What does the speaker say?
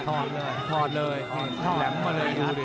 ถอดเลยถอดเลยแหลมมาเลยดูดิ